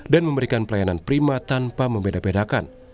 dan memberikan pelayanan prima tanpa membeda bedakan